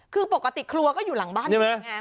คือปกติครัวก็อยู่หลังบ้านใช่ไหม